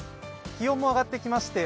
気温も上がってきまして